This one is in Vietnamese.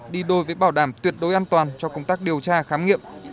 đi đôi với bảo đảm tuyệt đối an toàn cho công tác điều tra khám nghiệm